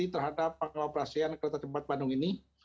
terhadap pengoperasian kereta cepat bandung ini